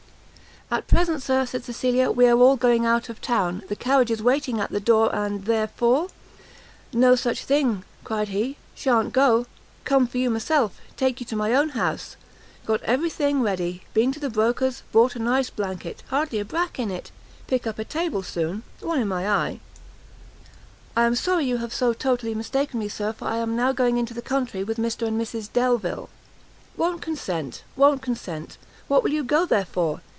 "At present, Sir," said Cecilia, "we are all going out of town; the carriage is waiting at the door, and therefore " "No such thing," cried he; "Sha'n't go; come for you myself; take you to my own house. Got every thing ready, been to the broker's, bought a nice blanket, hardly a brack in it. Pick up a table soon; one in my eye." "I am sorry you have so totally mistaken me, Sir; for I am now going into the country with Mr and Mrs Delvile." "Won't consent, won't consent! what will you go there for?